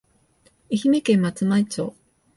愛媛県松前町